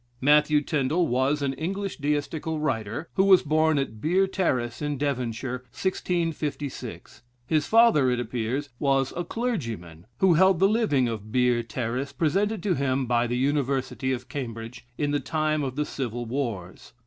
Matthew Tindal was an English Deistical writer, who was born at Beer Terres, in Devonshire, 1656. His father, it appears, was a clergyman, who held the living of Beer Terres, presented to him by the University of Cambridge, in the time of the Civil Wars.